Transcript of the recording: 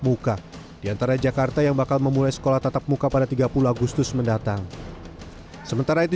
buka diantara jakarta yang bakal memulai sekolah tatap muka pada tiga puluh agustus mendatang sementara itu